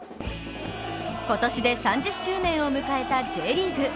今年で３０周年を迎えたＪリーグ。